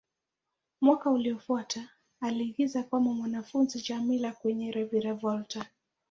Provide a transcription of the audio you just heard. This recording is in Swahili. Mwaka uliofuata, aliigiza kama mwanafunzi Djamila kwenye "Reviravolta".